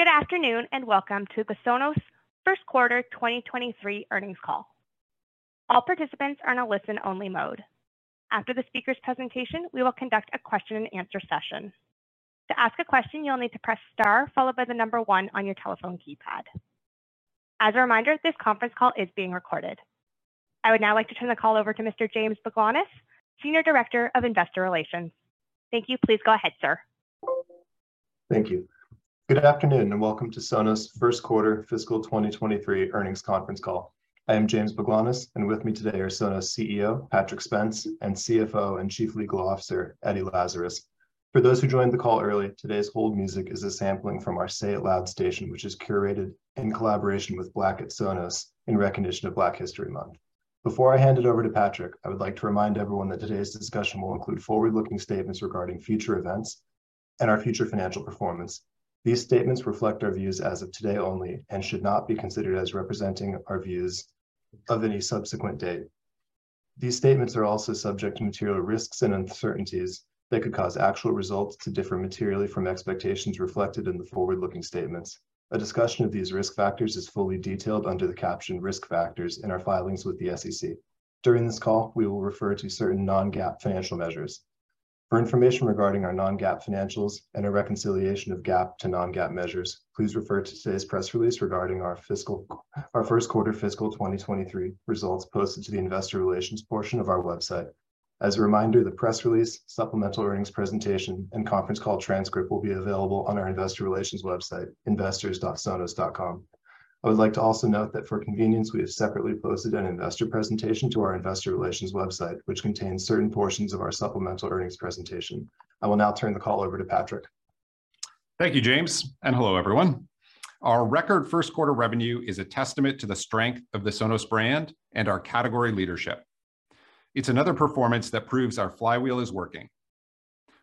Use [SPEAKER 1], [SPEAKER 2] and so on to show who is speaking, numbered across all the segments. [SPEAKER 1] Good afternoon. Welcome to the Sonos FirstQquarter 2023 Earnings Call. All participants are in a listen-only mode. After the speaker's presentation, we will conduct a question and answer session. To ask a question, you'll need to press star followed by 1 on your telephone keypad. As a reminder, this conference call is being recorded. I would now like to turn the call over to Mr. James Baglanis, Senior Director of Investor Relations. Thank you. Please go ahead, sir.
[SPEAKER 2] Thank you. Good afternoon, and welcome to Sonos First Quarter fiscal 2023 Earnings Conference Call. I am James Baglanis, and with me today are Sonos CEO, Patrick Spence, and CFO and Chief Legal Officer, Eddie Lazarus. For those who joined the call early, today's hold music is a sampling from our Say It Loud station which is curated in collaboration with Black@Sonos in recognition of Black History Month. Before I hand it over to Patrick, I would like to remind everyone that today's discussion will include forward-looking statements regarding future events and our future financial performance. These statements reflect our views as of today only and should not be considered as representing our views of any subsequent date. These statements are also subject to material risks and uncertainties that could cause actual results to differ materially from expectations reflected in the forward-looking statements. A discussion of these risk factors is fully detailed under the caption Risk Factors in our filings with the SEC. During this call, we will refer to certain non-GAAP financial measures. For information regarding our non-GAAP financials and a reconciliation of GAAP to non-GAAP measures, please refer to today's press release regarding our first quarter fiscal 2023 results posted to the investor relations portion of our website. As a reminder, the press release, supplemental earnings presentation, and conference call transcript will be available on our investor relations website, investors.sonos.com. I would like to also note that for convenience, we have separately posted an investor presentation to our investor relations website which contains certain portions of our supplemental earnings presentation. I will now turn the call over to Patrick.
[SPEAKER 3] Thank you, James, and hello, everyone. Our record first quarter revenue is a testament to the strength of the Sonos brand and our category leadership. It's another performance that proves our flywheel is working.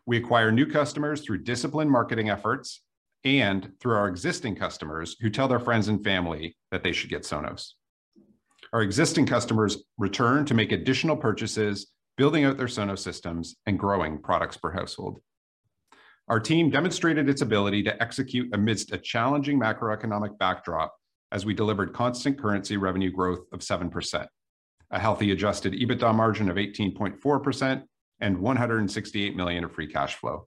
[SPEAKER 3] We acquire new customers through disciplined marketing efforts and through our existing customers who tell their friends and family that they should get Sonos. Our existing customers return to make additional purchases, building out their Sonos systems and growing products per household. Our team demonstrated its ability to execute amidst a challenging macroeconomic backdrop as we delivered constant currency revenue growth of 7%, a healthy adjusted EBITDA margin of 18.4%, and $168 million of free cash flow.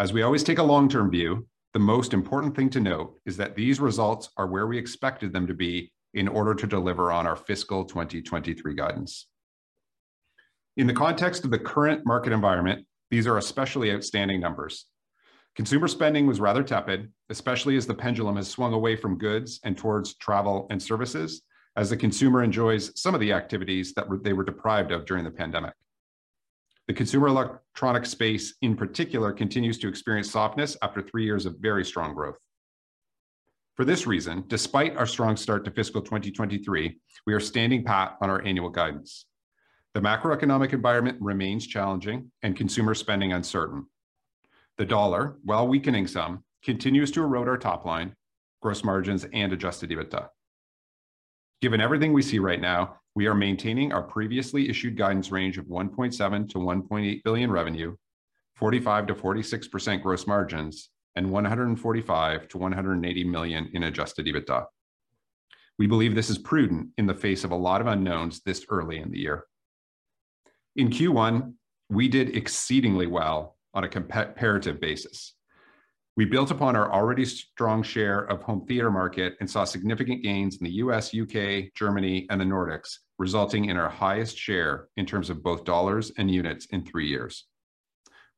[SPEAKER 3] As we always take a long-term view, the most important thing to note is that these results are where we expected them to be in order to deliver on our fiscal 2023 guidance. In the context of the current market environment, these are especially outstanding numbers. Consumer spending was rather tepid, especially as the pendulum has swung away from goods and towards travel and services as the consumer enjoys some of the activities they were deprived of during the pandemic. The Consumer Electronics space, in particular, continues to experience softness after three years of very strong growth. For this reason, despite our strong start to fiscal 2023, we are standing pat on our annual guidance. The macroeconomic environment remains challenging and consumer spending uncertain. The dollar, while weakening some, continues to erode our top line, gross margins, and adjusted EBITDA. Given everything we see right now, we are maintaining our previously issued guidance range of $1.7 billion-$1.8 billion revenue, 45%-46% gross margins, and $145 million-$180 million in adjusted EBITDA. We believe this is prudent in the face of a lot of unknowns this early in the year. In Q1, we did exceedingly well on a comparative basis. We built upon our already strong share of home theater market and saw significant gains in the U.S., U.K., Germany, and the Nordics, resulting in our highest share in terms of both dollars and units in three years.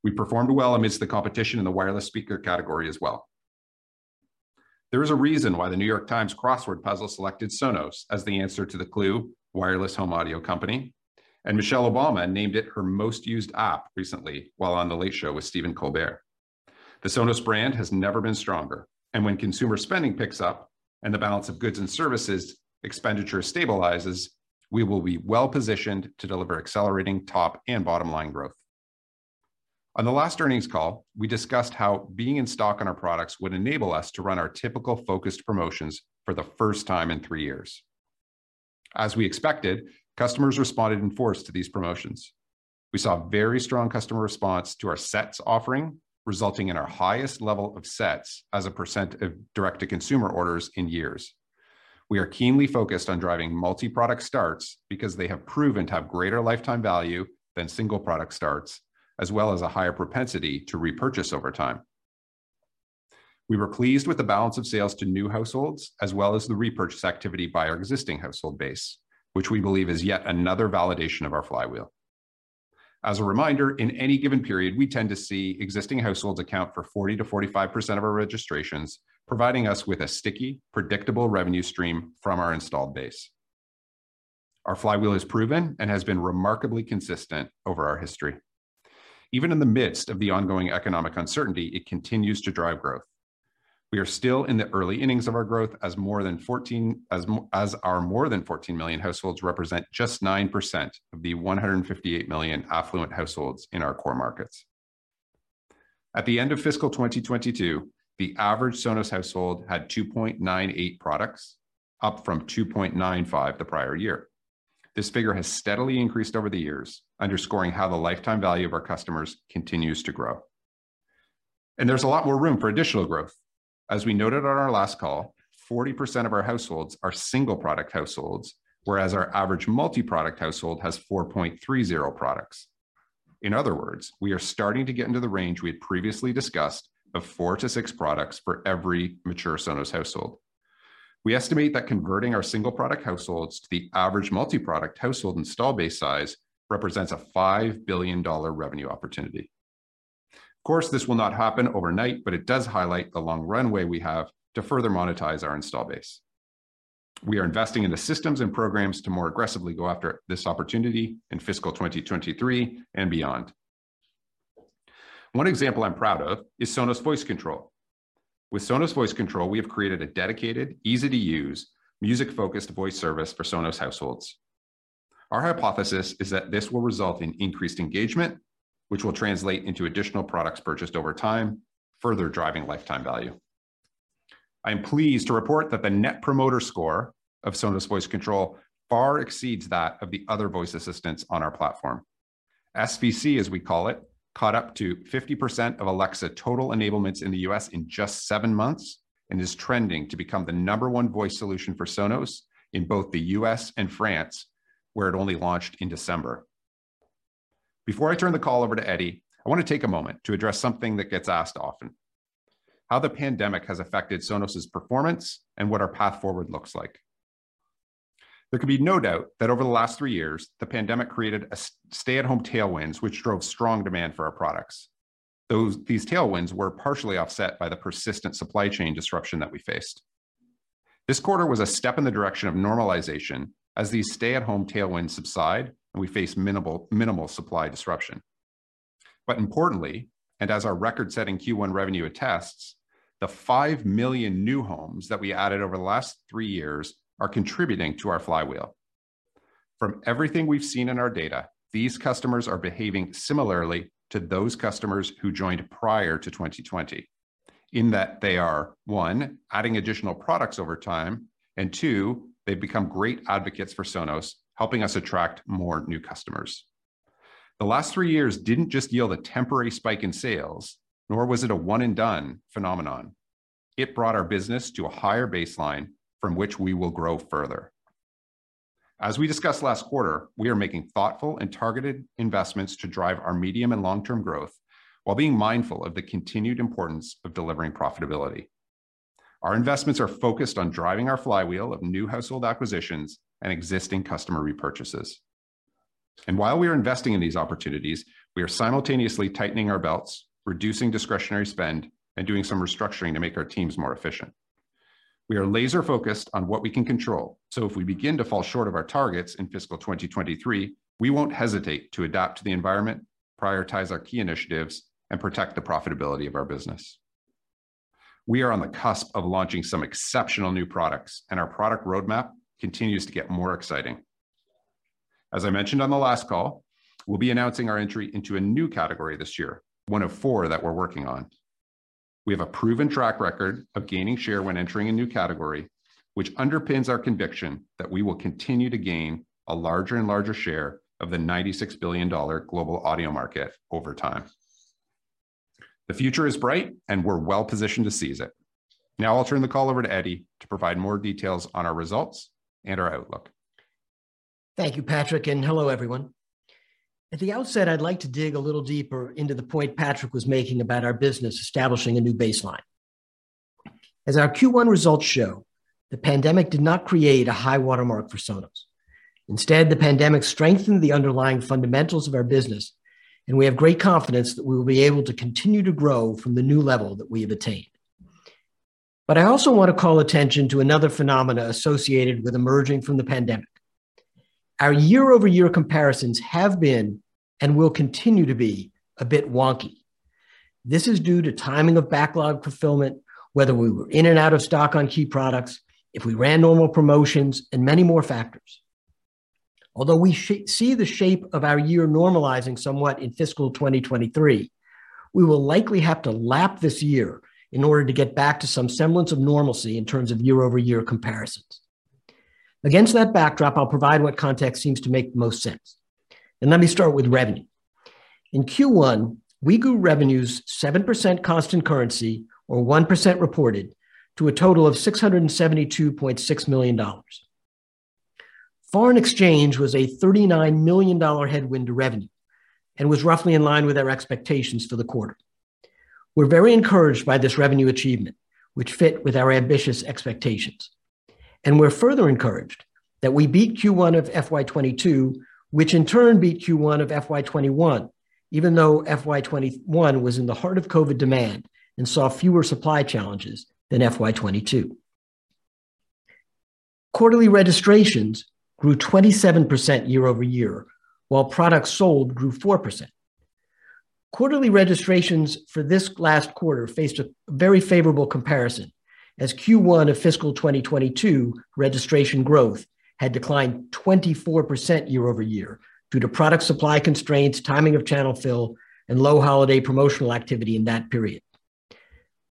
[SPEAKER 3] We performed well amidst the competition in the wireless speaker category as well. There is a reason why The New York Times crossword puzzle selected Sonos as the answer to the clue wireless home audio company, and Michelle Obama named it her most used app recently while on The Late Show with Stephen Colbert. The Sonos brand has never been stronger, and when consumer spending picks up and the balance of goods and services expenditure stabilizes, we will be well-positioned to deliver accelerating top and bottom line growth. On the last earnings call, we discussed how being in stock on our products would enable us to run our typical focused promotions for the first time in three years. As we expected, customers responded in force to these promotions. We saw very strong customer response to our sets offering, resulting in our highest level of sets as a percent of direct-to-consumer orders in years. We are keenly focused on driving multi-product starts because they have proven to have greater lifetime value than single product starts, as well as a higher propensity to repurchase over time. We were pleased with the balance of sales to new households as well as the repurchase activity by our existing household base, which we believe is yet another validation of our flywheel. As a reminder, in any given period, we tend to see existing households account for 40%-45% of our registrations, providing us with a sticky, predictable revenue stream from our installed base. Our flywheel is proven and has been remarkably consistent over our history. Even in the midst of the ongoing economic uncertainty, it continues to drive growth. We are still in the early innings of our growth as more than 14... as our more than 14 million households represent just 9% of the 158 million affluent households in our core markets. At the end of fiscal 2022, the average Sonos household had 2.98 products, up from 2.95 the prior year. This figure has steadily increased over the years, underscoring how the lifetime value of our customers continues to grow. There's a lot more room for additional growth. As we noted on our last call, 40% of our households are single product households, whereas our average multi-product household has 4.30 products. In other words, we are starting to get into the range we had previously discussed of four to six products for every mature Sonos household. We estimate that converting our single product households to the average multi-product household install base size represents a $5 billion revenue opportunity. Of course, this will not happen overnight, but it does highlight the long runway we have to further monetize our install base. We are investing in the systems and programs to more aggressively go after this opportunity in fiscal 2023 and beyond. One example I'm proud of is Sonos Voice Control. With Sonos Voice Control, we have created a dedicated, easy-to-use, music-focused voice service for Sonos households. Our hypothesis is that this will result in increased engagement, which will translate into additional products purchased over time, further driving lifetime value. I'm pleased to report that the net promoter score of Sonos Voice Control far exceeds that of the other voice assistants on our platform. SVC, as we call it, caught up to 50% of Alexa total enablements in the U.S. in just seven months and is trending to become the number one voice solution for Sonos in both the U.S. and France, where it only launched in December. Before I turn the call over to Eddie, I want to take a moment to address something that gets asked often: how the pandemic has affected Sonos's performance and what our path forward looks like. There could be no doubt that over the last three years, the pandemic created a stay-at-home tailwinds which drove strong demand for our products. These tailwinds were partially offset by the persistent supply chain disruption that we faced. This quarter was a step in the direction of normalization as these stay-at-home tailwinds subside and we face minimal supply disruption. Importantly, and as our record-setting Q1 revenue attests, the 5 million new homes that we added over the last three years are contributing to our flywheel. From everything we've seen in our data, these customers are behaving similarly to those customers who joined prior to 2020 in that they are, one, adding additional products over time, and two, they've become great advocates for Sonos, helping us attract more new customers. The last three years didn't just yield a temporary spike in sales, nor was it a one-and-done phenomenon. It brought our business to a higher baseline from which we will grow further. As we discussed last quarter, we are making thoughtful and targeted investments to drive our medium and long-term growth while being mindful of the continued importance of delivering profitability. Our investments are focused on driving our flywheel of new household acquisitions and existing customer repurchases. While we are investing in these opportunities, we are simultaneously tightening our belts, reducing discretionary spend, and doing some restructuring to make our teams more efficient. We are laser-focused on what we can control. If we begin to fall short of our targets in fiscal 2023, we won't hesitate to adapt to the environment, prioritize our key initiatives, and protect the profitability of our business. We are on the cusp of launching some exceptional new products. Our product roadmap continues to get more exciting. As I mentioned on the last call, we'll be announcing our entry into a new category this year, one of four that we're working on. We have a proven track record of gaining share when entering a new category, which underpins our conviction that we will continue to gain a larger and larger share of the $96 billion global audio market over time. The future is bright, and we're well-positioned to seize it. I'll turn the call over to Eddie to provide more details on our results and our outlook.
[SPEAKER 4] Thank you, Patrick, and hello, everyone. At the outset, I'd like to dig a little deeper into the point Patrick was making about our business establishing a new baseline. As our Q1 results show, the pandemic did not create a high watermark for Sonos. Instead, the pandemic strengthened the underlying fundamentals of our business, and we have great confidence that we will be able to continue to grow from the new level that we have attained. I also want to call attention to another phenomena associated with emerging from the pandemic. Our year-over-year comparisons have been and will continue to be a bit wonky. This is due to timing of backlog fulfillment, whether we were in and out of stock on key products, if we ran normal promotions, and many more factors. Although we see the shape of our year normalizing somewhat in fiscal 2023, we will likely have to lap this year in order to get back to some semblance of normalcy in terms of year-over-year comparisons. Against that backdrop, I'll provide what context seems to make the most sense. Let me start with revenue. In Q1, we grew revenues 7% constant currency or 1% reported to a total of $672.6 million. Foreign exchange was a $39 million headwind to revenue and was roughly in line with our expectations for the quarter. We're very encouraged by this revenue achievement, which fit with our ambitious expectations. We're further encouraged that we beat Q1 of FY 2022, which in turn beat Q1 of FY 2021, even though FY 2021 was in the heart of COVID demand and saw fewer supply challenges than FY 2022. Quarterly registrations grew 27% year-over-year, while products sold grew 4%. Quarterly registrations for this last quarter faced a very favorable comparison as Q1 of fiscal 2022 registration growth had declined 24% year-over-year due to product supply constraints, timing of channel fill, and low holiday promotional activity in that period.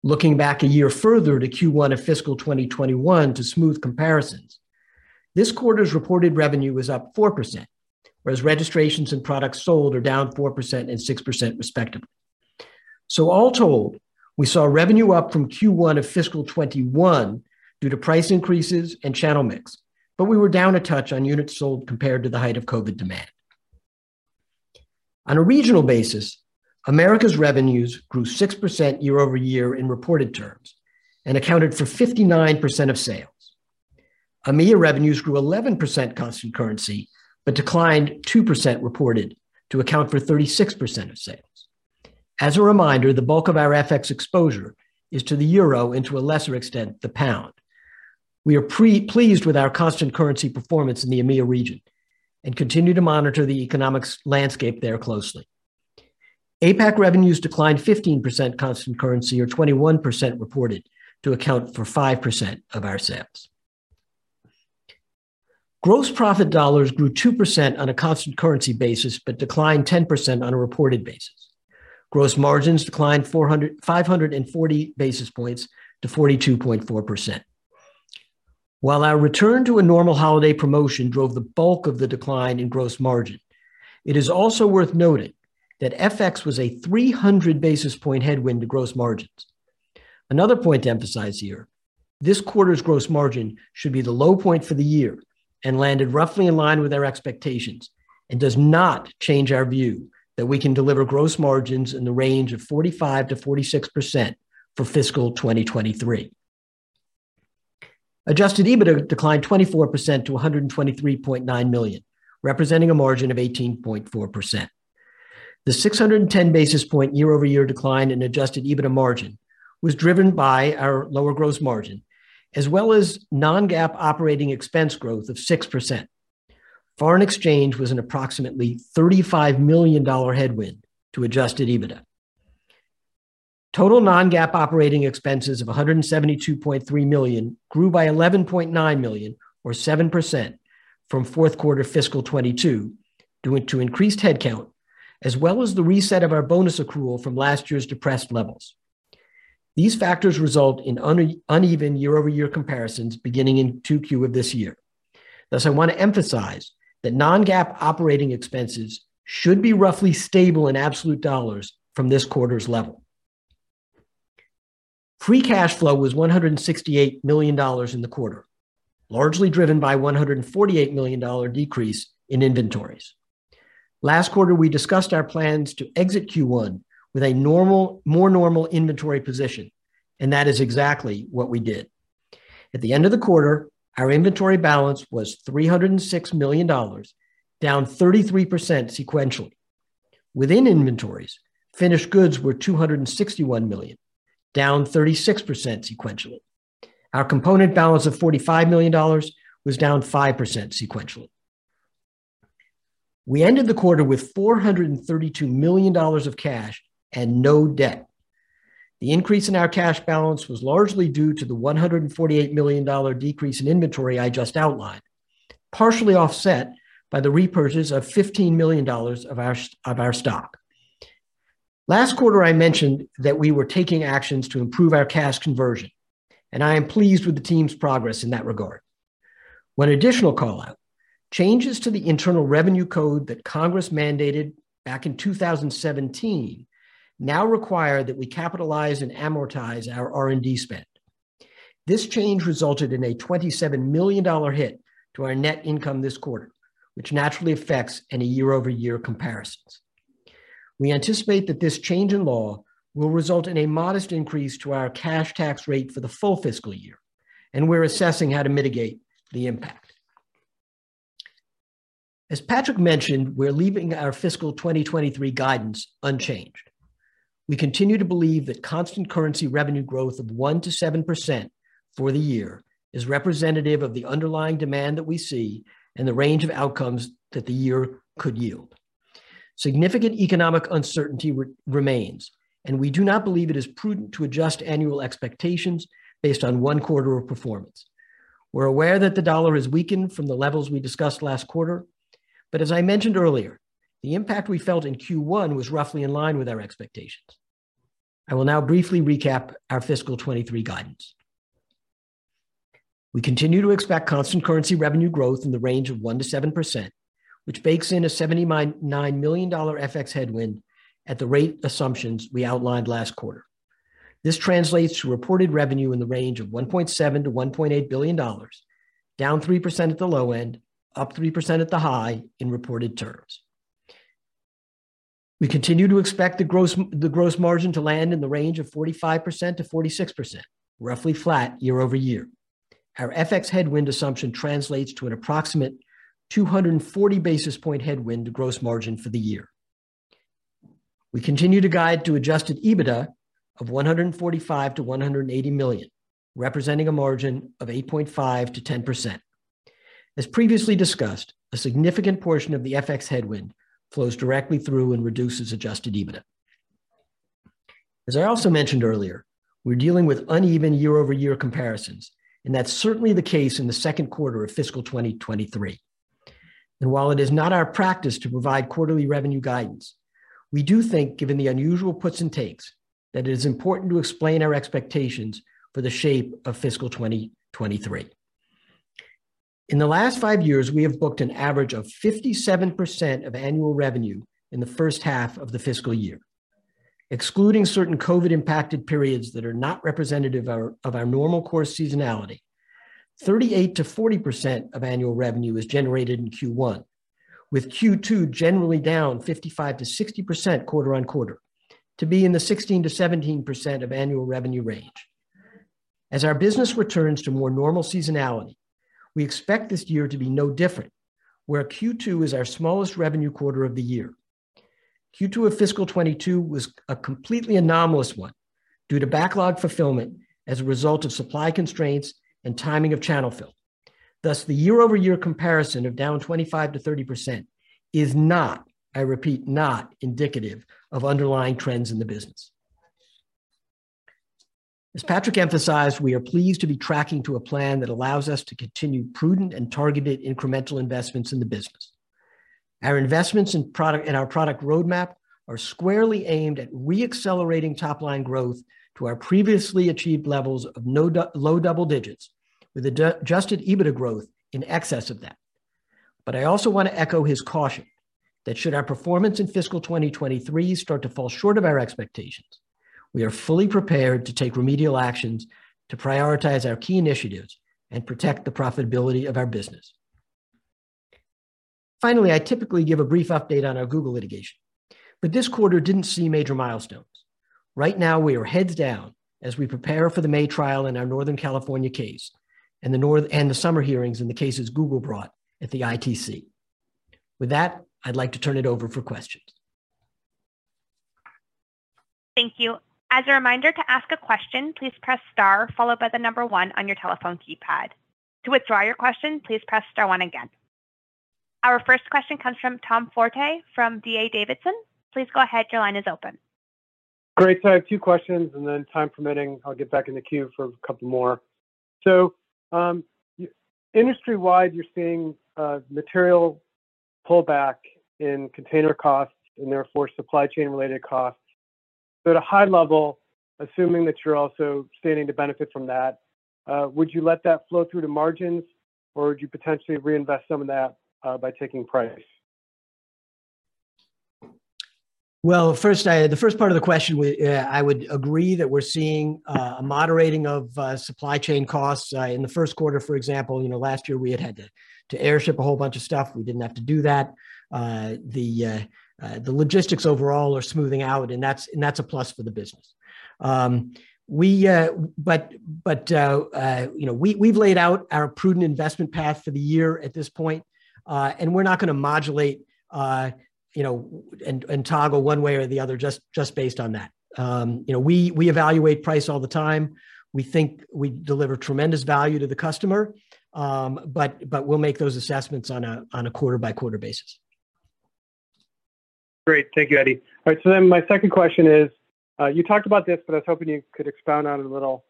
[SPEAKER 4] Looking back a year further to Q1 of fiscal 2021 to smooth comparisons, this quarter's reported revenue was up 4%, whereas registrations and products sold are down 4% and 6% respectively. All told, we saw revenue up from Q1 of fiscal 2021 due to price increases and channel mix, but we were down a touch on units sold compared to the height of Covid demand. On a regional basis, Americas revenues grew 6% year-over-year in reported terms and accounted for 59% of sales. EMEA revenues grew 11% constant currency, but declined 2% reported to account for 36% of sales. As a reminder, the bulk of our FX exposure is to the euro and to a lesser extent, the pound. We are pre-pleased with our constant currency performance in the EMEA region and continue to monitor the economics landscape there closely. APAC revenues declined 15% constant currency or 21% reported to account for 5% of our sales. Gross profit dollars grew 2% on a constant currency basis, declined 10% on a reported basis. Gross margins declined 540 basis points to 42.4%. While our return to a normal holiday promotion drove the bulk of the decline in gross margin, it is also worth noting that FX was a 300 basis point headwind to gross margins. Another point to emphasize here, this quarter's gross margin should be the low point for the year and landed roughly in line with our expectations and does not change our view that we can deliver gross margins in the range of 45%-46% for fiscal 2023. Adjusted EBITDA declined 24% to $123.9 million, representing a margin of 18.4%. The 610 basis point year-over-year decline in adjusted EBITDA margin was driven by our lower gross margin, as well as non-GAAP operating expense growth of 6%. Foreign exchange was an approximately $35 million headwind to adjusted EBITDA. Total non-GAAP operating expenses of $172.3 million grew by $11.9 million, or 7% from fourth quarter fiscal 2022 due to increased headcount, as well as the reset of our bonus accrual from last year's depressed levels. These factors result in uneven year-over-year comparisons beginning in 2Q of this year. I want to emphasize that non-GAAP operating expenses should be roughly stable in absolute dollars from this quarter's level. Free cash flow was $168 million in the quarter, largely driven by $148 million decrease in inventories. Last quarter, we discussed our plans to exit Q1 with a more normal inventory position. That is exactly what we did. At the end of the quarter, our inventory balance was $306 million, down 33% sequentially. Within inventories, finished goods were $261 million, down 36% sequentially. Our component balance of $45 million was down 5% sequentially. We ended the quarter with $432 million of cash. No debt. The increase in our cash balance was largely due to the $148 million decrease in inventory I just outlined, partially offset by the repurchase of $15 million of our stock. Last quarter, I mentioned that we were taking actions to improve our cash conversion. I am pleased with the team's progress in that regard. One additional call-out, changes to the Internal Revenue Code that Congress mandated back in 2017 now require that we capitalize and amortize our R&D spend. This change resulted in a $27 million hit to our net income this quarter, which naturally affects any year-over-year comparisons. We anticipate that this change in law will result in a modest increase to our cash tax rate for the full fiscal year. We're assessing how to mitigate the impact. As Patrick mentioned, we're leaving our fiscal 2023 guidance unchanged. We continue to believe that constant currency revenue growth of 1%-7% for the year is representative of the underlying demand that we see and the range of outcomes that the year could yield. Significant economic uncertainty remains, We do not believe it is prudent to adjust annual expectations based on one quarter of performance. We're aware that the dollar has weakened from the levels we discussed last quarter, As I mentioned earlier, the impact we felt in Q1 was roughly in line with our expectations. I will now briefly recap our fiscal 2023 guidance. We continue to expect constant currency revenue growth in the range of 1%-7%, which bakes in a $79 million FX headwind at the rate assumptions we outlined last quarter. This translates to reported revenue in the range of $1.7 billion-$1.8 billion, down 3% at the low end, up 3% at the high in reported terms. We continue to expect the gross margin to land in the range of 45%-46%, roughly flat year-over-year. Our FX headwind assumption translates to an approximate 240 basis point headwind to gross margin for the year. We continue to guide to adjusted EBITDA of $145 million-$180 million, representing a margin of 8.5%-10%. As previously discussed, a significant portion of the FX headwind flows directly through and reduces adjusted EBITDA. As I also mentioned earlier, we're dealing with uneven year-over-year comparisons, and that's certainly the case in the second quarter of fiscal 2023. While it is not our practice to provide quarterly revenue guidance, we do think, given the unusual puts and takes, that it is important to explain our expectations for the shape of fiscal 2023. In the last five years, we have booked an average of 57% of annual revenue in the first half of the fiscal year. Excluding certain COVID-impacted periods that are not representative of our normal course seasonality, 38%-40% of annual revenue is generated in Q1, with Q2 generally down 55%-60% quarter-on-quarter to be in the 16%-17% of annual revenue range. As our business returns to more normal seasonality, we expect this year to be no different, where Q2 is our smallest revenue quarter of the year. Q2 of fiscal 2022 was a completely anomalous one due to backlog fulfillment as a result of supply constraints and timing of channel fill. The year-over-year comparison of down 25%-30% is not, I repeat, not indicative of underlying trends in the business. As Patrick emphasized, we are pleased to be tracking to a plan that allows us to continue prudent and targeted incremental investments in the business. Our investments in product, in our product roadmap are squarely aimed at re-accelerating top-line growth to our previously achieved levels of low double digits with adjusted EBITDA growth in excess of that. I also wanna echo his caution that should our performance in fiscal 2023 start to fall short of our expectations, we are fully prepared to take remedial actions to prioritize our key initiatives and protect the profitability of our business. I typically give a brief update on our Google litigation, but this quarter didn't see major milestones. We are heads down as we prepare for the May trial in our Northern California case and the summer hearings in the cases Google brought at the ITC. I'd like to turn it over for questions.
[SPEAKER 1] Thank you. As a reminder, to ask a question, please press star followed by the number one on your telephone keypad. To withdraw your question, please press star one again. Our first question comes from Tom Forte from D.A. Davidson. Please go ahead, your line is open.
[SPEAKER 5] Great. I have two questions, and then time permitting, I'll get back in the queue for a couple more. Industry-wide, you're seeing a material pullback in container costs and therefore supply chain-related costs. At a high level, assuming that you're also standing to benefit from that, would you let that flow through to margins, or would you potentially reinvest some of that by taking price?
[SPEAKER 4] First, the first part of the question, I would agree that we're seeing a moderating of supply chain costs. In the first quarter, for example, you know, last year we had to airship a whole bunch of stuff. We didn't have to do that. The logistics overall are smoothing out, and that's a plus for the business. You know, we've laid out our prudent investment path for the year at this point, and we're not gonna modulate, you know, and toggle one way or the other just based on that. You know, we evaluate price all the time. We think we deliver tremendous value to the customer, but we'll make those assessments on a quarter-by-quarter basis.
[SPEAKER 5] Great. Thank you, Eddie. My second question is, you talked about this, but I was hoping you could expound on it a little.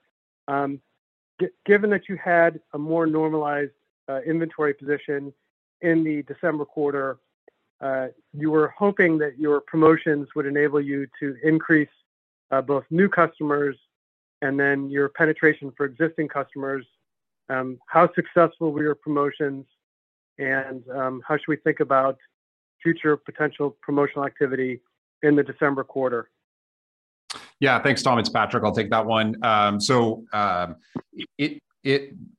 [SPEAKER 5] Given that you had a more normalized inventory position in the December quarter, you were hoping that your promotions would enable you to increase both new customers and then your penetration for existing customers. How successful were your promotions and how should we think about future potential promotional activity in the December quarter?
[SPEAKER 3] Yeah. Thanks, Tom. It's Patrick Spence. I'll take that one.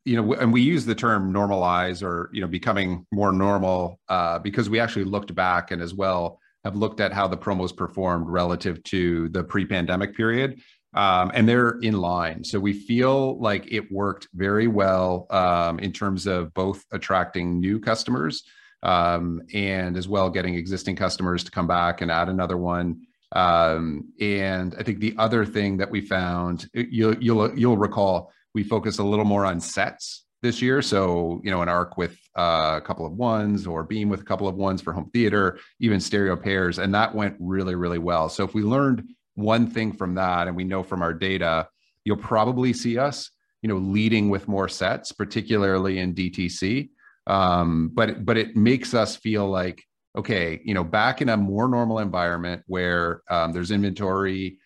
[SPEAKER 3] You know, and we use the term normalize or, you know, becoming more normal, because we actually looked back and as well have looked at how the promos performed relative to the pre-pandemic period, and they're in line. We feel like it worked very well, in terms of both attracting new customers, and as well getting existing customers to come back and add another one. I think the other thing that we found, you recall we focus a little more on sets this year, so, you know, an Arc with a couple of ones or Beam with a couple of ones for home theater, even stereo pairs, and that went really, really well. If we learned one thing from that, and we know from our data, you'll probably see us, you know, leading with more sets, particularly in DTC. It makes us feel like, okay, you know, back in a more normal environment where there's inventory,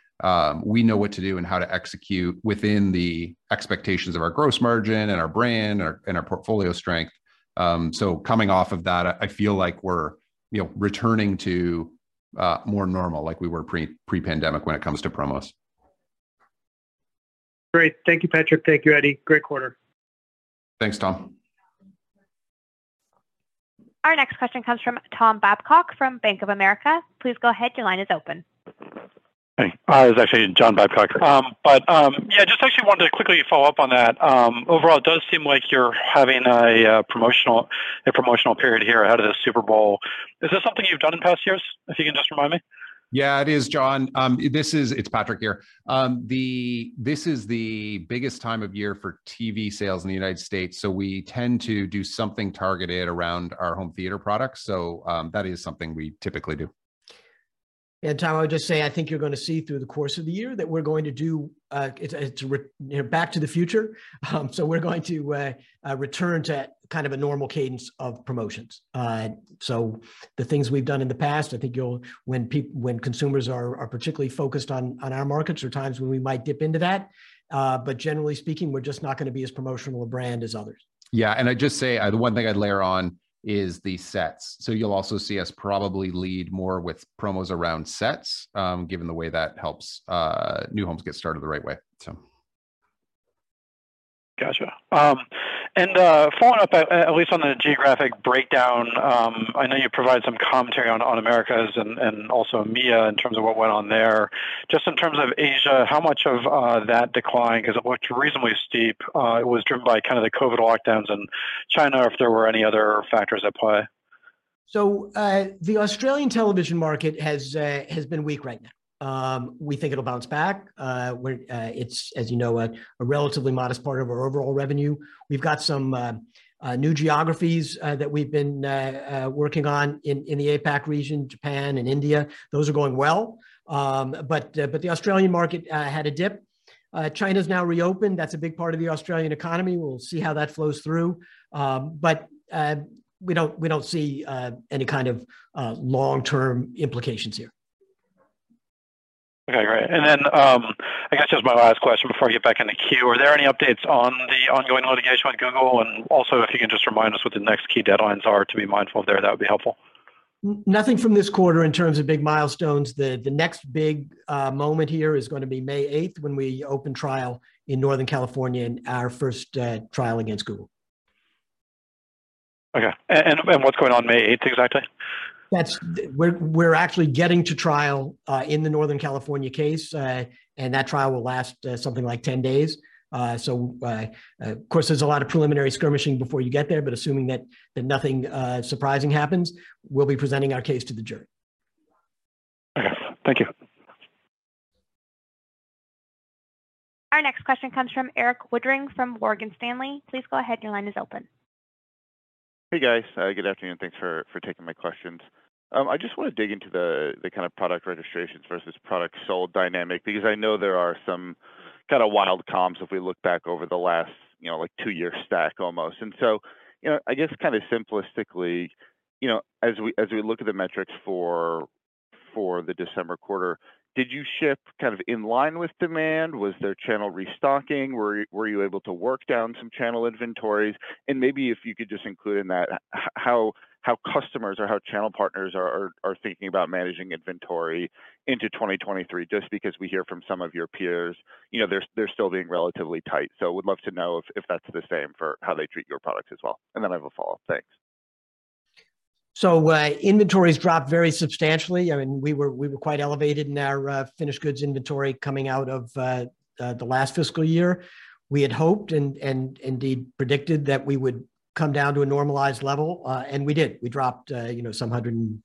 [SPEAKER 3] we know what to do and how to execute within the expectations of our gross margin and our brand and our portfolio strength. Coming off of that, I feel like we're, you know, returning to more normal like we were pre-pandemic when it comes to promos.
[SPEAKER 5] Great. Thank you, Patrick. Thank you, Eddie. Great quarter.
[SPEAKER 3] Thanks, Tom.
[SPEAKER 1] Our next question comes from Tom Babcock from Bank of America. Please go ahead, your line is open.
[SPEAKER 6] Hey. It's actually John Babcock. Yeah, just actually wanted to quickly follow up on that. Overall, it does seem like you're having a promotional period here ahead of the Super Bowl. Is this something you've done in past years, if you can just remind me?
[SPEAKER 3] Yeah, it is, John. It's Patrick here. This is the biggest time of year for TV sales in the United States, so we tend to do something targeted around our home theater products. That is something we typically do.
[SPEAKER 4] Tom, I would just say, I think you're gonna see through the course of the year that we're going to do, you know, back to the future. We're going to return to kind of a normal cadence of promotions. The things we've done in the past, I think when consumers are particularly focused on our markets are times when we might dip into that. Generally speaking, we're just not gonna be as promotional a brand as others.
[SPEAKER 3] Yeah. I'd just say, the one thing I'd layer on is the sets. You'll also see us probably lead more with promos around sets, given the way that helps, new homes get started the right way.
[SPEAKER 6] Gotcha. Following up at least on the geographic breakdown, I know you provided some commentary on Americas and also EMEA in terms of what went on there. Just in terms of Asia, how much of that decline, 'cause it looked reasonably steep, was driven by kind of the COVID lockdowns in China or if there were any other factors at play?
[SPEAKER 4] The Australian television market has been weak right now. We think it'll bounce back. It's, as you know, a relatively modest part of our overall revenue. We've got some new geographies that we've been working on in the APAC region, Japan and India. Those are going well. The Australian market had a dip. China's now reopened. That's a big part of the Australian economy. We'll see how that flows through. We don't see any kind of long-term implications here.
[SPEAKER 6] Okay. Great. I guess just my last question before I get back in the queue, are there any updates on the ongoing litigation with Google? Also, if you can just remind us what the next key deadlines are to be mindful of there, that would be helpful.
[SPEAKER 4] Nothing from this quarter in terms of big milestones. The next big moment here is gonna be May eighth when we open trial in Northern California in our first trial against Google.
[SPEAKER 6] Okay. What's going on May 8th exactly?
[SPEAKER 4] That's. We're actually getting to trial in the Northern California case, and that trial will last something like 10 days. Of course, there's a lot of preliminary skirmishing before you get there, but assuming nothing surprising happens, we'll be presenting our case to the jury.
[SPEAKER 6] Okay. Thank you.
[SPEAKER 1] Our next question comes from Erik Woodring from Morgan Stanley. Please go ahead, your line is open.
[SPEAKER 7] Hey, guys. Good afternoon. Thanks for taking my questions. I just wanna dig into the kind of product registrations versus product sold dynamic because I know there are some kind of wild comps if we look back over the last, you know, like, two-year stack almost. I guess kind of simplistically, you know, as we look at the metrics for the December quarter, did you ship kind of in line with demand? Was there channel restocking? Were you able to work down some channel inventories? Maybe if you could just include in that how customers or how channel partners are thinking about managing inventory into 2023, just because we hear from some of your peers, you know, they're still being relatively tight. Would love to know if that's the same for how they treat your products as well. Then I have a follow-up. Thanks.
[SPEAKER 4] Inventories dropped very substantially. I mean, we were quite elevated in our finished goods inventory coming out of the last fiscal year. We had hoped and indeed predicted that we would come down to a normalized level, and we did. We dropped, you know, some $150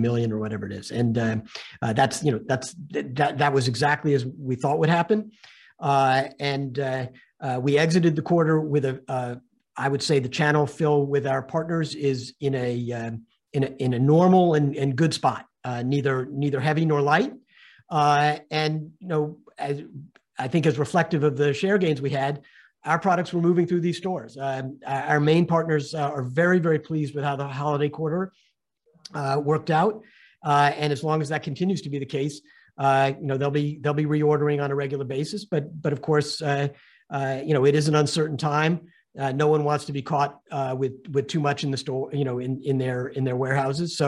[SPEAKER 4] million or whatever it is. That's, you know, that was exactly as we thought would happen. We exited the quarter with a I would say the channel fill with our partners is in a normal and good spot. Neither heavy nor light. You know, I think as reflective of the share gains we had, our products were moving through these stores. Our main partners are very, very pleased with how the holiday quarter worked out. As long as that continues to be the case, you know, they'll be reordering on a regular basis. Of course, you know, it is an uncertain time. No one wants to be caught with too much in the store, you know, in their warehouses.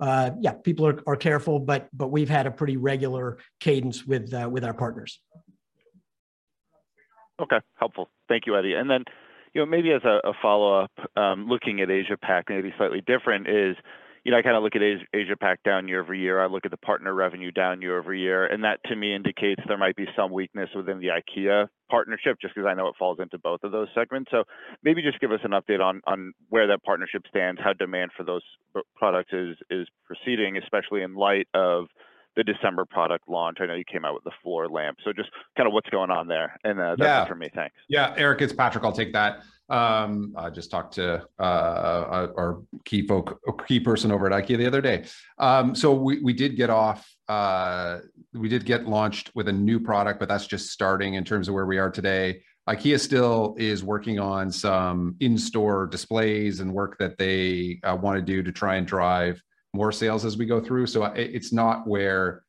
[SPEAKER 4] Yeah, people are careful, but we've had a pretty regular cadence with our partners.
[SPEAKER 7] Okay. Helpful. Thank you, Eddie. Then, you know, maybe as a follow-up, looking at Asia-Pac, maybe slightly different is, you know, I kinda look at Asia-Pac down year-over-year, I look at the partner revenue down year-over-year, and that to me indicates there might be some weakness within the IKEA partnership, just because I know it falls into both of those segments. Maybe just give us an update on where that partnership stands, how demand for those products is proceeding, especially in light of the December product launch. I know you came out with the floor lamp. Just kinda what's going on there.
[SPEAKER 3] Yeah.
[SPEAKER 7] That's it for me. Thanks.
[SPEAKER 3] Yeah. Erik, it's Patrick. I'll take that. I just talked to our key person over at IKEA the other day. We did get launched with a new product, that's just starting in terms of where we are today. IKEA still is working on some in-store displays and work that they wanna do to try and drive more sales as we go through. It's not where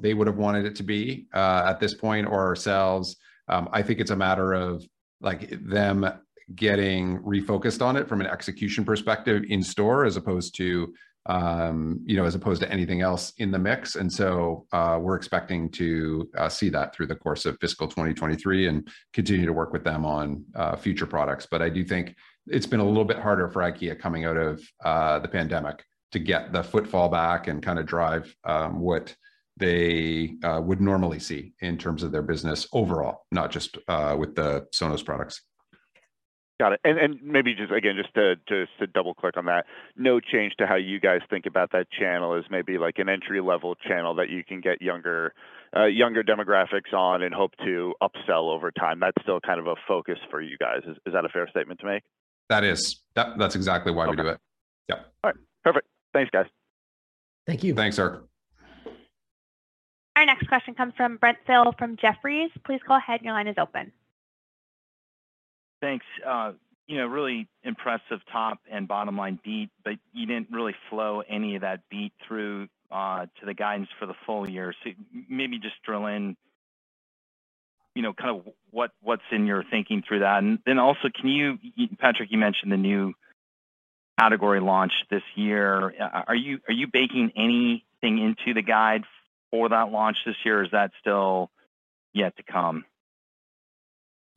[SPEAKER 3] they would've wanted it to be at this point or ourselves. I think it's a matter of, like, them getting refocused on it from an execution perspective in store as opposed to, you know, as opposed to anything else in the mix. We're expecting to see that through the course of fiscal 2023 and continue to work with them on future products. I do think it's been a little bit harder for IKEA coming out of the pandemic to get the footfall back and kinda drive what they would normally see in terms of their business overall, not just with the Sonos products.
[SPEAKER 7] Got it. Maybe just again, just to double-click on that, no change to how you guys think about that channel as maybe, like, an entry-level channel that you can get younger demographics on and hope to upsell over time. That's still kind of a focus for you guys. Is that a fair statement to make?
[SPEAKER 3] That is. That's exactly why we do it.
[SPEAKER 7] Okay.
[SPEAKER 3] Yeah.
[SPEAKER 7] All right. Perfect. Thanks, guys.
[SPEAKER 4] Thank you.
[SPEAKER 3] Thanks, Erik.
[SPEAKER 1] Our next question comes from Brent Thill from Jefferies. Please go ahead. Your line is open.
[SPEAKER 8] Thanks. You know, really impressive top and bottom line beat, but you didn't really flow any of that beat through to the guidance for the full year. Maybe just drill in, you know, kind of what's in your thinking through that. Patrick, you mentioned the new category launch this year. Are you baking anything into the guide for that launch this year or is that still yet to come?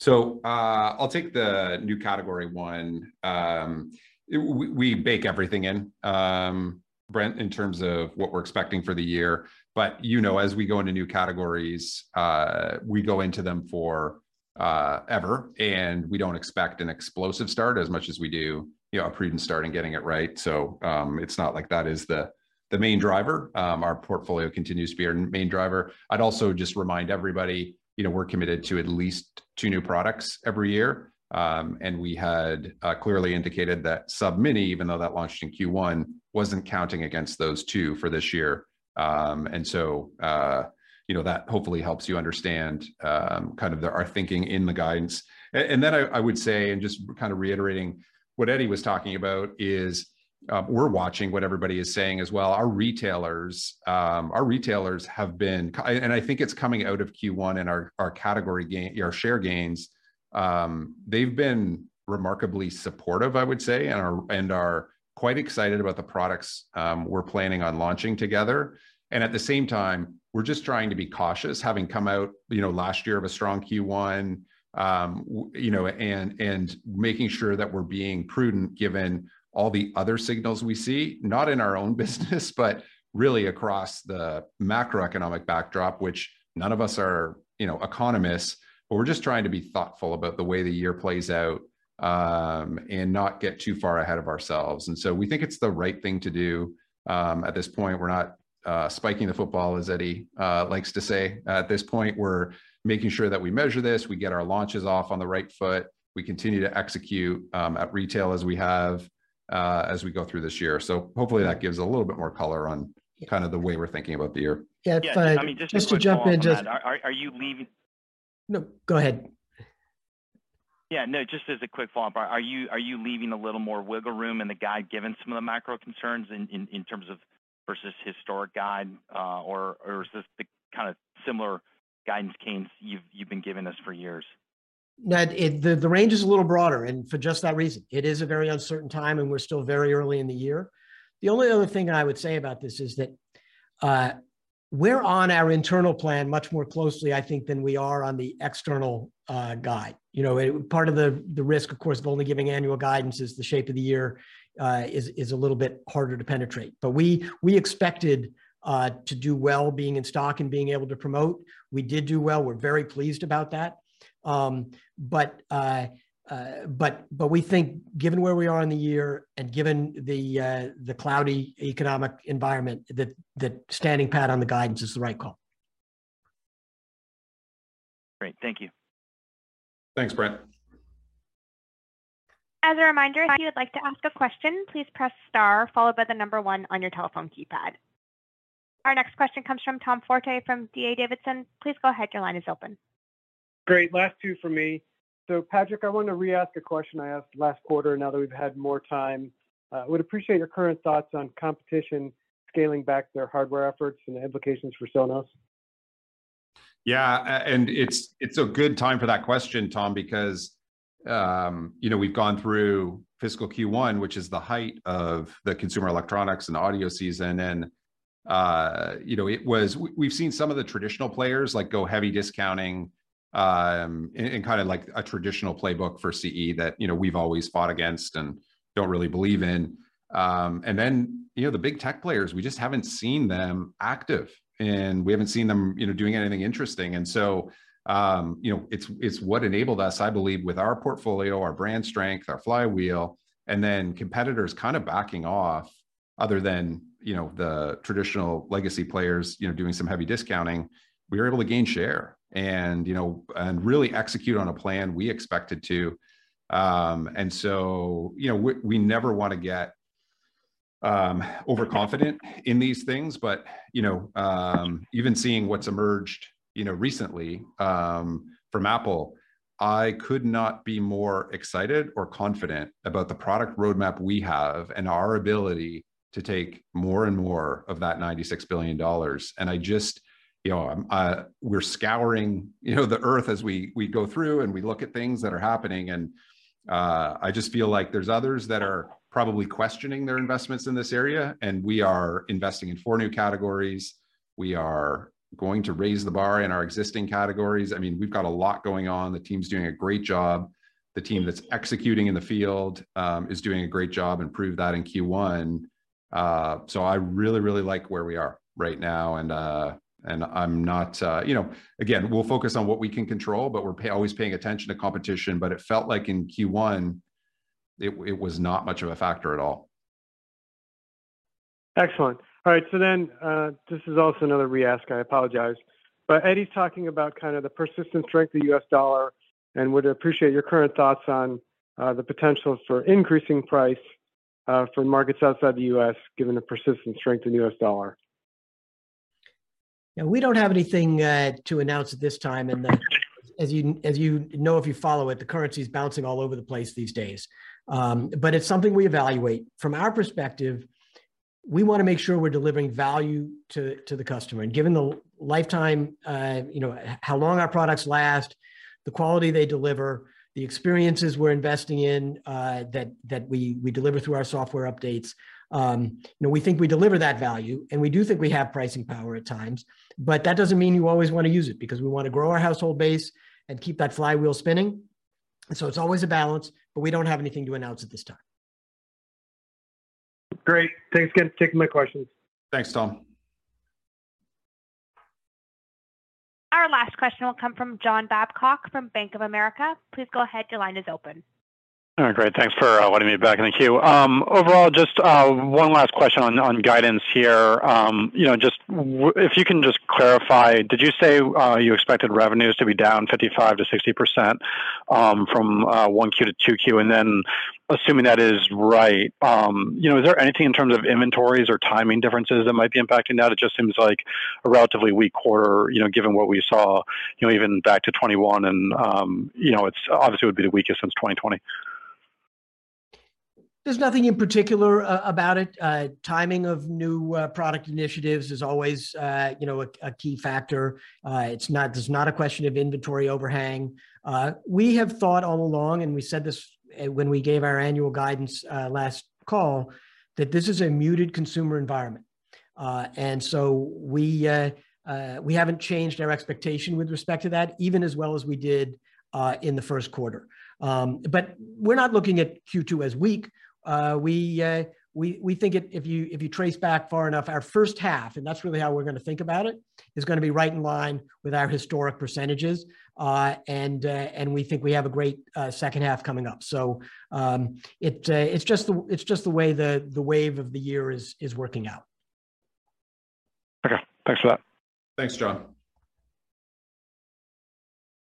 [SPEAKER 3] I'll take the new category one. We bake everything in, Brent, in terms of what we're expecting for the year. You know, as we go into new categories, we go into them for ever, and we don't expect an explosive start as much as we do, you know, a prudent start and getting it right, it's not like that is the main driver. Our portfolio continues to be our main driver. I'd also just remind everybody, you know, we're committed to at least two new products every year. And we had clearly indicated that Sub Mini, even though that launched in Q1, wasn't counting against those two for this year. You know, that hopefully helps you understand kind of our thinking in the guidance. I would say, just kind of reiterating what Eddie was talking about, is, we're watching what everybody is saying as well. Our retailers have been. I think it's coming out of Q1 in our category gain, our share gains. They've been remarkably supportive, I would say, and are quite excited about the products we're planning on launching together. At the same time, we're just trying to be cautious, having come out, you know, last year of a strong Q1. You know, and making sure that we're being prudent given all the other signals we see, not in our own business, but really across the macroeconomic backdrop, which none of us are, you know, economists, but we're just trying to be thoughtful about the way the year plays out, and not get too far ahead of ourselves. We think it's the right thing to do. At this point, we're not spiking the football, as Eddie likes to say. At this point, we're making sure that we measure this, we get our launches off on the right foot, we continue to execute at retail as we have as we go through this year. Hopefully that gives a little bit more color on kind of the way we're thinking about the year.
[SPEAKER 4] Yeah.
[SPEAKER 8] Yeah.
[SPEAKER 4] Just to jump in-
[SPEAKER 8] I mean, just as a quick follow-up on that. Are you?
[SPEAKER 4] No, go ahead.
[SPEAKER 8] Yeah, no, just as a quick follow-up. Are you leaving a little more wiggle room in the guide given some of the macro concerns in terms of versus historic guide, or is this the kind of similar guidance cadence you've been giving us for years?
[SPEAKER 4] The range is a little broader and for just that reason. It is a very uncertain time, and we're still very early in the year. The only other thing I would say about this is that we're on our internal plan much more closely, I think, than we are on the external guide. You know, part of the risk, of course, of only giving annual guidance is the shape of the year is a little bit harder to penetrate. We expected to do well being in stock and being able to promote. We did do well. We're very pleased about that. We think given where we are in the year and given the cloudy economic environment, the standing pat on the guidance is the right call.
[SPEAKER 8] Great. Thank you.
[SPEAKER 3] Thanks, Brent.
[SPEAKER 1] As a reminder, if you would like to ask a question, please press star followed by the number 1 on your telephone keypad. Our next question comes from Tom Forte from D.A. Davidson. Please go ahead. Your line is open.
[SPEAKER 5] Great, last two for me. Patrick, I want to re-ask a question I asked last quarter now that we've had more time. Would appreciate your current thoughts on competition scaling back their hardware efforts and the implications for Sonos.
[SPEAKER 3] Yeah, it's a good time for that question, Tom Forte, because, you know, we've gone through fiscal Q1, which is the height of the consumer electronics and audio season. You know, we've seen some of the traditional players like go heavy discounting in kind of like a traditional playbook for CE that, you know, we've always fought against and don't really believe in. You know, the big tech players, we just haven't seen them active, and we haven't seen them, you know, doing anything interesting. It's what enabled us, I believe, with our portfolio, our brand strength, our flywheel, and then competitors kind of backing off other than, you know, the traditional legacy players, doing some heavy discounting. We were able to gain share, you know, and really execute on a plan we expected to. You know, we never wanna get overconfident in these things. You know, even seeing what's emerged, you know, recently from Apple, I could not be more excited or confident about the product roadmap we have and our ability to take more and more of that $96 billion. I just. You know, I'm. We're scouring, you know, the Earth as we go through, and we look at things that are happening. I just feel like there's others that are probably questioning their investments in this area, and we are investing in four new categories. We are going to raise the bar in our existing categories. I mean, we've got a lot going on. The team's doing a great job. The team that's executing in the field, is doing a great job and proved that in Q1. I really, really like where we are right now, and I'm not. You know, again, we'll focus on what we can control, but we're always paying attention to competition. It felt like in Q1, it was not much of a factor at all.
[SPEAKER 5] Excellent. This is also another re-ask. I apologize. Eddie's talking about kind of the persistent strength of the U.S. dollar, and would appreciate your current thoughts on the potential for increasing price for markets outside the U.S., given the persistent strength in the U.S. dollar.
[SPEAKER 4] We don't have anything to announce at this time. As you know if you follow it, the currency's bouncing all over the place these days. It's something we evaluate. From our perspective, we wanna make sure we're delivering value to the customer, and given the lifetime, you know, how long our products last, the quality they deliver, the experiences we're investing in, that we deliver through our software updates, you know, we think we deliver that value, and we do think we have pricing power at times. That doesn't mean you always wanna use it, because we wanna grow our household base and keep that flywheel spinning. It's always a balance, but we don't have anything to announce at this time.
[SPEAKER 5] Great. Thanks again for taking my questions.
[SPEAKER 3] Thanks, Tom.
[SPEAKER 1] Our last question will come from John Babcock from Bank of America. Please go ahead, your line is open.
[SPEAKER 6] All right, great. Thanks for letting me back in the queue. Overall, just one last question on guidance here. You know, if you can just clarify, did you say you expected revenues to be down 55%-60% from 1Q to 2Q? Assuming that is right, you know, is there anything in terms of inventories or timing differences that might be impacting that? It just seems like a relatively weak quarter, you know, given what we saw, you know, even back to 2021 and, you know, it's obviously would be the weakest since 2020.
[SPEAKER 4] There's nothing in particular about it. Timing of new product initiatives is always, you know, a key factor. It's not, it's not a question of inventory overhang. We have thought all along, and we said this when we gave our annual guidance, last call, that this is a muted consumer environment. We haven't changed our expectation with respect to that, even as well as we did in the first quarter. We're not looking at Q2 as weak. We think if you trace back far enough, our first half, and that's really how we're gonna think about it, is gonna be right in line with our historic percentages. We think we have a great second half coming up. It's just the way the wave of the year is working out.
[SPEAKER 6] Okay, thanks a lot.
[SPEAKER 3] Thanks, John.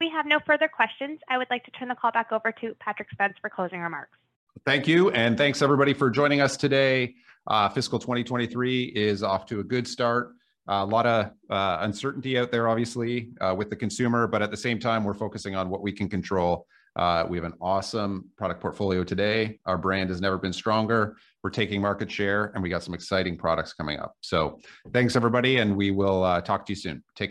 [SPEAKER 1] We have no further questions. I would like to turn the call back over to Patrick Spence for closing remarks.
[SPEAKER 3] Thank you, and thanks, everybody, for joining us today. Fiscal 2023 is off to a good start. A lot of uncertainty out there obviously, with the consumer, but at the same time, we're focusing on what we can control. We have an awesome product portfolio today. Our brand has never been stronger. We're taking market share, and we got some exciting products coming up. Thanks, everybody, and we will talk to you soon. Take care.